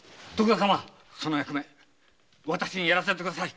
その役目私にやらせて下さい。